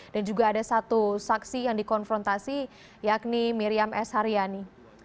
juga ada satu saksi yang dikonfrontasi yakni miriam s haryani